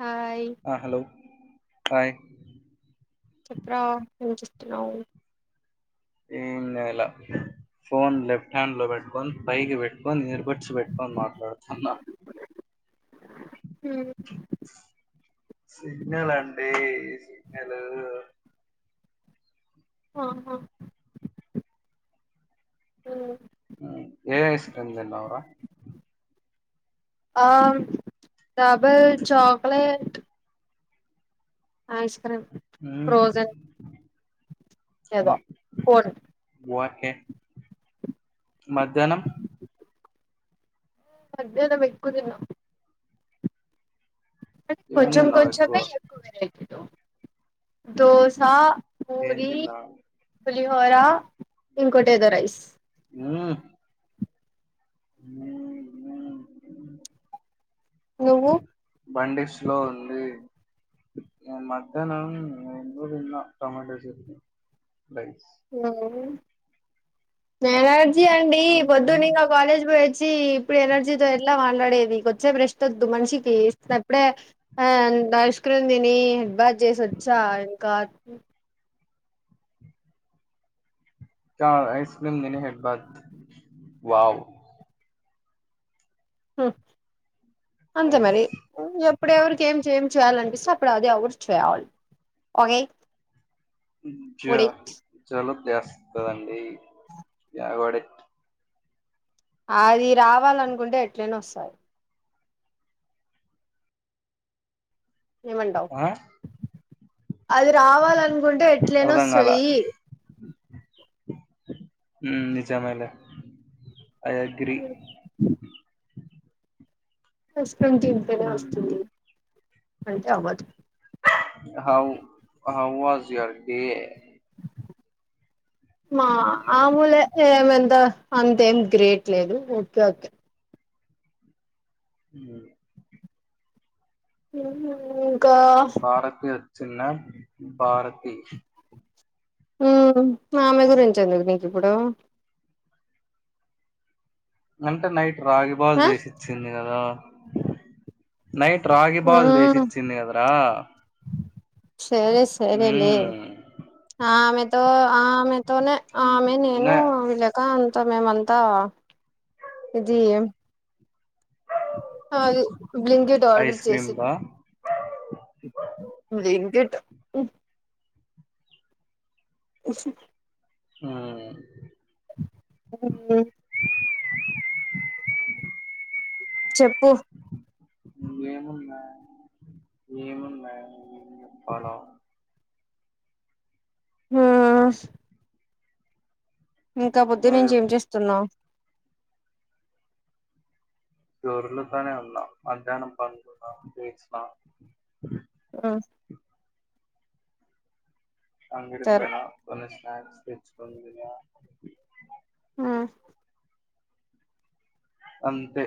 Hi ఆ hello hi చెప్పురా ఏం చేస్తున్నావు ఏం చెయ్యాల ఫోన్ లెఫ్ట్ హ్యాండ్ లో పెట్టుకొని పైకి పెట్టుకొని నిరుప [unintelligible] పెట్టుకొని మాట్లాడుతున్నా అ హ్మ్ సిగ్నల్ అండి సిగ్నలు ఆహా ఉనులే ఏం ఐస్ క్రీమ్ తిన్నావు రా ఆ అదే chocolate ice cream um frozen ఏదో అన్- కోన్ ఓకే మధ్యాహ్నం మధ్యాహ్నం ఎక్కువ తిన్న ఏం కొంచెం తిన్నావు కొంచెంగా ఎక్కువ వెరైటీలు దోస ఏం పూరి తిన్నావు పులిహోర ఇంకోటి ఏదో రైస్ ఉమ్ [unintelligible] నువ్వు బండి స్లో ఉంది ఆ మధ్యాహ్నం ఏందో తిన్న టొమాటో రైస్ రైస్ ఎవరు ఎనర్జీ అండి పొద్దున్న ఇంగా ఇంకా కాలేజ్ కి పోయి వచ్చి ఇప్పుడు ఎనర్జీతో ఎట్లా మాట్లా డేది కొద్దిసేపు రెస్ట్ వద్దు మనిషికి వచ్చినప్పుడే ఐస్ క్రీం తిని దగ్ చేసి వచ్చా ఇంకా ఇంకా ఐస్ క్రీం తిని హెడ్ బాత్ వావ్ అంతే నైస్ మరి ఇప్పుడ ఎవరికి ఏం చెయాలనిపిస్తే అప్పుడు అదే చేయాలి ఓకే ఒడి జలుబు చేస్తదండి అటు పడెయ్ అది రావాలనుకుంటే ఎట్లయినా వస్తది ఏమంటావు ఆ అది రావాలనుకుంటే ఎట్లయినా అర్ధం కాల వస్తది నిజమేలే ఐ అగ్రీ ఐస్ క్రీమ్ తింటేనే వస్తుంది అంటే అవ్వదు how how was your day మా మామూలే ఏమంత అంతేం గ్రేట్ లేదు ఓకే ఓకే ఉ ఇంకా భారతి వచ్చిందా భారతి ఆమె గురించి ఎందుకు నీకు ఇప్పుడు అంటే నైట్ రాగిపాల్ ఆ చేసిచ్చింది కదా నైట్ రాగి పాల్ చేసి మ్మ్ ఇచ్చింది కదరా సరే సరేలే మ్ ఆమెతో ఆ ఆమెతోనే ఆ ఆమె ఇంగ నేను విలేక మేమంతా జీ ఏం అది బ్లింకెట్ ఆర్డర్ ఐస్ క్రీమ్ చేసింది దా బ్లిక్ఇట్ ఆ మ్మ్ హ్ చెప్పు నువ్వేమున్నా ఏమిన్నా ఫాలో ఆ ఇంకా నువ్వే పోద్దనుంచి ఏం చెప్పు చేస్తున్నావు. దొర్లుతనే ఉన్న మధ్యాహ్నం పండుకున్న లేసినా మ్మ్ సరే అంగకిపోయినా కొన్ని స్నాక్స్ తెచ్చుకున్న ఆ అంతే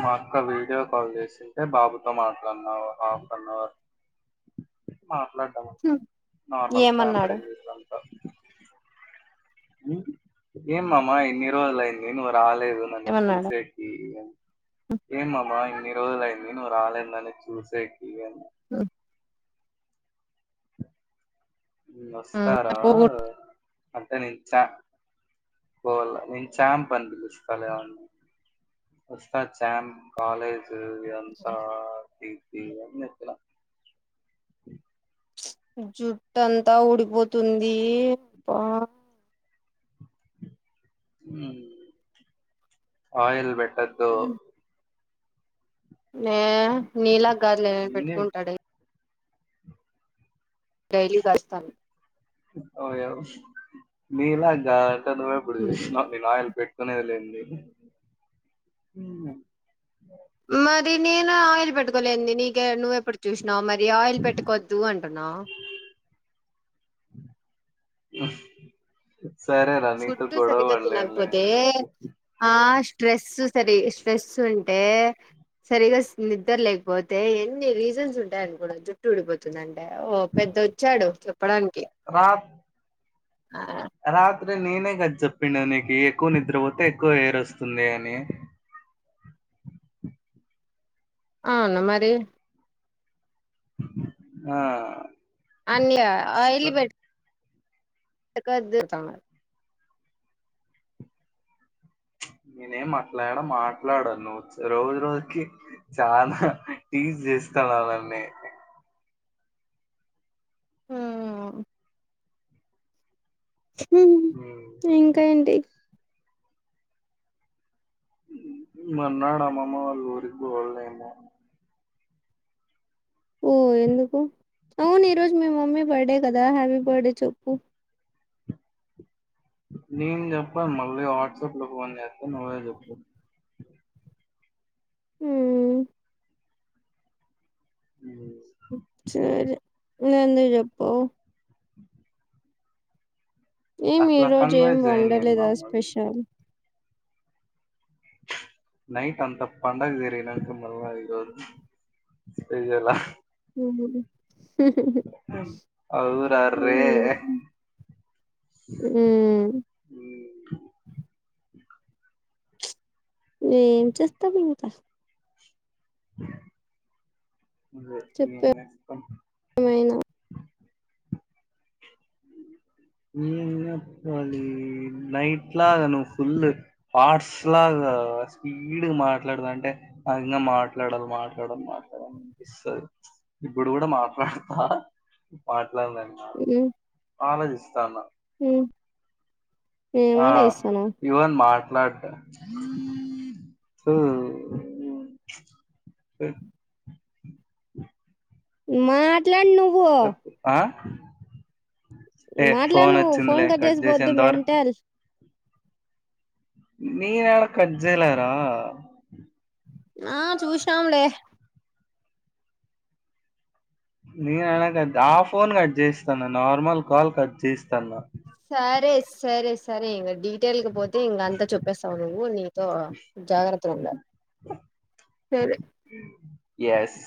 మా అక్క వీడియో కాల్ చేసింటే బాబుతో మాట్లాడిన హాఫ్ అన్న హౌర్ మాట్లాడిన హ్మ్ నార్మల్ ఏమన్నాడు కాన్ఫరెన్స్ ఏమమ్మా ఇన్ని రోజులైంది నువ్వు రాలేదు నన్ను ఏమన్నాడు చూడడానికి ఏమమ్మా ఇన్ని రోజులు అయింది నువ్వు రాలేదు నన్ను చుసేకి ఆ [inaudible] వస్తారా మ్మ్ అంటే నిచ్చ పోల నిచ్చా అని పలుకరిస్తారా ఎవరన్నా వచ్చాము కాలేజ్ కి అంత జుట్టు అంతా ఊడిపోతుంది అబ్బా ఆయిల్ పెట్టద్దు యే నీలాగ కాదులే ఇన్ని పెట్టుకుంటా డైలీ డైలీ కలుస్తాను మీలాగా కాదు నువ్వు ఎప్పుడు చూసినవు మేము ఆయిల్ పెట్టాము అని కొనేది లేంది మరి నేను ఆయిల్ పెట్టుకోలేంది నీక నువ్వెప్పుడు చూసి నా మరి ఆయిల్ పెట్టుకొద్దు అంటున్నా సరేరా నీతో ఫుడ్ గొడవ సరిగా పడలేనులే తినకపోతే చెప్పు ఆ స్ట్రెస్ సరి స్ట్రెస్ ఉంటే సరిగా నిద్ర లేకపోతే ఎన్ని రీజన్స్ ఉంటాయని కూడా జుట్టు ఊడిపోతుందండి అంటే ఓ పెద్దొచ్చాడు చెప్పడానికి రా ఆ రాత్రి నేనే గా చెప్పిన నీకి ఎక్కువ నిద్రపోతే ఎక్కువ హేయిర్ వస్తుంది అని [inaudible] అవును మరి ఆ అన్య ఆయిల్ బెట్ట్ పెట్టుకోవద్దు దిరుగుత మరి [inaudible] నేనేం మాట్లాడ మాట్లాడాను నువ్వు రోజు రోజుకి చాలా టీజ్ చే కలాలన్నే ఉమ్ ఉమ్ ఇంకా ఏంటి మన్నాడు అమ్మమ్మ వాళ్ళ ఊరికి పోలేమో ఓ ఎందుకు అవును ఈ రోజు మీ మమ్మీ బర్డే కదా హ్యాపీ బర్త్డే చెప్పు నేను జెప్పను మళ్ళీ వాట్సాప్ లో ఫోన్ చేస్తాను నువ్వే చెప్పు ఉమ్ ఉమ్. సరే నువ్ ఎందుకు చెప్పవ్ [inaudible] ఏమి ఈ అట్లా రోజు కన్వే ఏం చేయను నేను వండలేదా మామూలు స్పెషల్ నైట్ అంత పండగ జరిగి నాక మళ్ళ ఈ రోజు చెయాలా హు హు అవురా రే ఉమ్ ఉమ్ [inaudible] ఏం చేస్తాం ఇంకా [inaudible] మళ్ళ ఏం చెప్పు చేస్తాం [inaudible] ఏమైనా ఏం జెప్పాలి నైట్లాగ నువ్ ఫుల్ హట్స్ ల్లాగా స్పీడ్ గా మాట్లాడద అంటే ఇంగా మాట్లాడాలి మాట్లాడాలి మాట్లాడాలి అని పిస్తది ఇప్పుడు గూడా మాట్లాడతా మాట్లాడడానికి హ్మ్ ఆలోచిస్తున్నా హ్మ్ ఆ ఏమోల చేస్తున్నావ్ ఇవేన్ మాట్లాడ్ట. సో మాట్ చెప్పు ఆ ఏ మాట్లాడు ఫోన్ నువ్వు ఫోన్ వచ్చిందిలే కట్ చేసి పోద్దు చేసేంత వరకు మెంటల్ నేనాడ కట్ జేయలేరా ఆ చూసినాం లే నేను అలా ఆ ఫోన్ కట్ జేస్తున్నా నార్మల్ కాల్ కట్ జేస్తున్నా సరే సరే సరే ఎవండీ టేల్ క పోతే ఇంకంతా చెప్పేస్తావు నువ్వు నీతో జాగ్రత్తగా ఉండాలి సరే ఎస్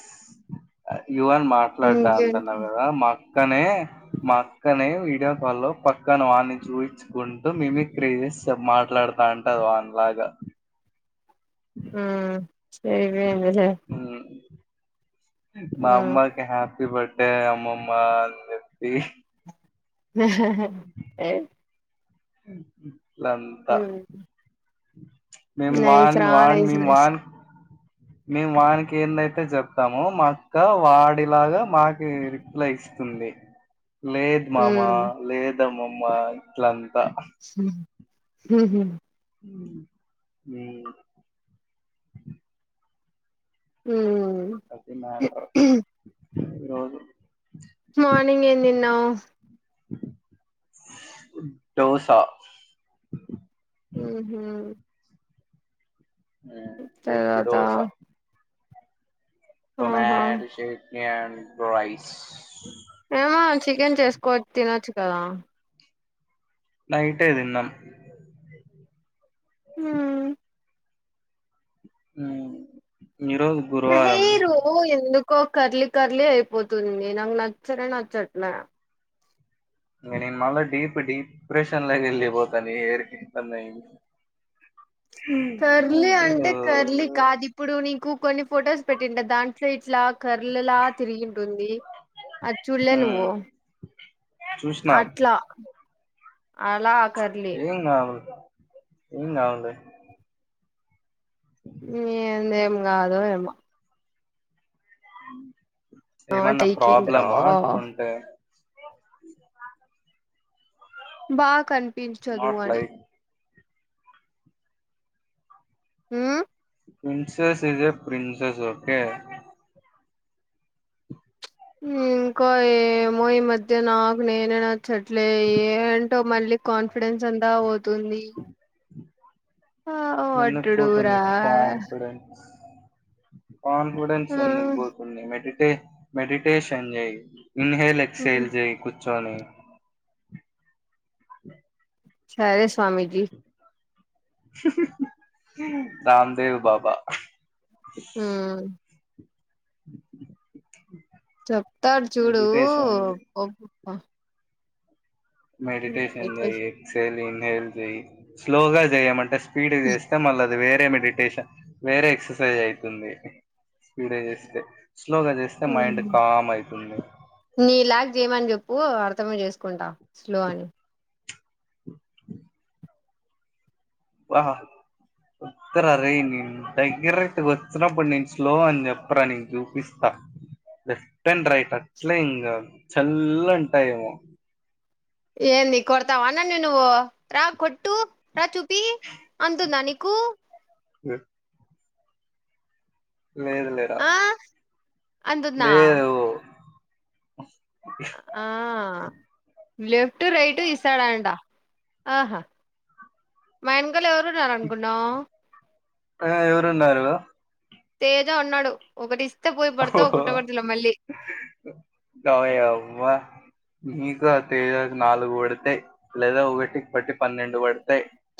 యువాన్ మాట్లాడడా ఇంకేంటి అంటన్నావ్ గదా మా అక్కనే మా అక్కనే వీడియో కాల్ లో పక్కన వాని చూపించుకుంటూ మిమిక్రీ మాట్లాడుతా అంటది వానిలాగా ఉ సేమే ఉందిలే ఉమ్ మా అమ్మకి హ్యాపీ బర్డే అమ్మమ్మ అని చెప్పి హహ లలిత మ్మ్ మమ్ నైస్ వన్ రా వన్ నైస్ మమ్ నైస్ వన్ [unintelligible] మేము వానికి ఏందైతే చెప్తామో మా అక్క వాడిలాగా మాకి రిప్లై ఇస్తుంది లేదు మామా మ్మ్ లేదమ్మమ్మ ఇట్లంతా ఉం ఉహు మీ ఉహు అవును మార్నింగ్ ఏం తిన్నావు. దోసా ఉ హ తర్వాత దోస ఆహా టమాటో చట్నీ రైస్. ఏమో చికెన్ చేసుకోచ్చ తినొచ్చు కదా నైటే తిన్నాం. ఉ ఉ హేరు ఎందుకు ఎందుకో కర్లీ కర్లీ అయిపోతుంది నాకు నచ్చనే నచ్చట్లే ఇక నేను మళ్ళీ డీప్ డీప్ర్రెషన్ కి వెళ్ళిపోతాను ఏడిపిస్తా నే ఉ హు కర్లీ అంటే కర్లీ కాదు ఇప్పుడు నీకు కొన్ని ఫొటోస్ పెట్టింట దాంట్లో ఇట్లా కరళలా తిరిగింటుంది ఆది చూడలే మ్మ్ నువ్వు చూసినా అట్లా అలా ఆకర్లి ఎం కాదులే ఏందో కాదో ఏమో ఏమన్నా టైకింగ్ రా ప్రాబ్లమ్ అంటే బా కనిపించదు నాట్ అని like uh princess is a princess okay ఇంకా ఏమో ఈ మధ్య నాకు నేనే నచ్చట్లే ఏంటో మళ్లి కాన్ఫిడెన్స్ అంతా పోతుంది ఆ ఎందుకు పోతుంది వటుడురా కాన్ఫిడెన్స్ కాన్ఫిడెన్స్ ఎందుకు పోతుండంది మెడిటే మెడిటేషన్ చేయి ఇన్హేల్ ఎక్హేల్ చే కూర్చోని అ సరే స్వామిజీ రాందేవ్ బాబా ఉ ఉ హు చెప్తాడు చూడు మెడిటేషన్ జై ఎక్సహెల్ ఇన్హెల్ జయి స్లోగా జయంట ఫీడ్ గా చేస్తే మల్ల అది వేరు మెడిటేషన్ వేరే ఎక్సర్సైజ్ అవుతుంది స్పీడ్ గా చేస్తే స్లోగా చేస్తే మైండ్ కామ్ అయితుంది. ఓ అర్థమే చేసుకుంటా స్లో అని వాహ వస్తార రేయ్ నేను దగ్గరకు వచ్చినప్పుడు నేను స్లో అని చెప్పరా నీకు చూపిస్తా. లెఫ్ట్ అండ్ రైట్ అట్లే ఇంగా చల్లంటాయ్ ఏమో ఏంది కొడతావ నన్ను నువ్వు రా కొట్టు రా చూపీ అంతుందా నీకు అ లేదు లేరా ఆ అంతుందా? లేదు ఆ లెఫ్ట్ రైట్ ఇస్తాడంట ఆహా మా యన్కాల ఎవరున్నారు అనుకున్నావ్? తగా ఎవరు ఉన్నారు? తేజా అన్నాడు ఒకటిస్ ఒయమ్మా నీకు ఆ తేజాకి నాలుగు పడితాయ్ లేదా ఒకటి బట్టి పన్నెండు పడ్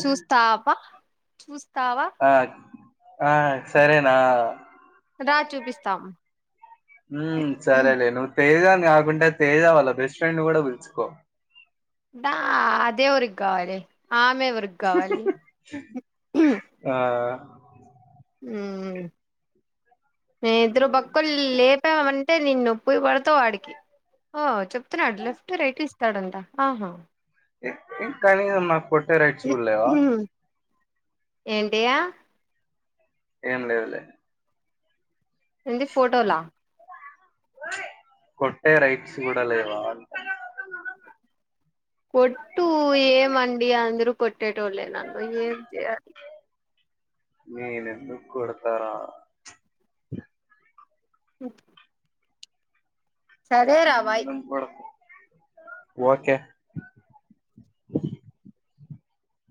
చూస్తా ప చూస్ ఆ ఆ సరేనా? రా చూపిస్తాం ఉమ్ హ సరేలే నువ్వు తేజాన్ కాకుండా తేజ వాళ్ళ బెస్ట్ ఫ్రెండ్ ని కూడా పిల్చుకో దా అదేవ్వొరికి కావాలి ఆమె ఎవరికి కావాలి? ఆ ఉమ్ మేము ఇద్దరు బక్కోన్ లేపామం టే నిన్ను పొయ్యి పడతావ్ ఆడికి ఓ చెప్తున్నాడు లెఫ్ట్ రైట్ ఇస్తాడంట ఆహా ఏ ఏ కానీలేఅమ్మ కొట్టే రైట్స్ కూడా లేవా? ఏంటియా? ఏం లేదులే. ఎంది ఫోటోలా కొట్టే రైట్స్ కూడా లేవా అంట కొట్టు ఏమండి అందరూ కొట్టేటోళ్ళే నన్ను ఏం చెయ్యాలి. నేను ఎందుకొడతారా? సరేరా బాయ్ నేనెందుకు కొడతా ఓకే